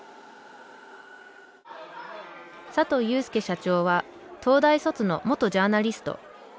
佐藤祐輔社長は東大卒の元ジャーナリスト。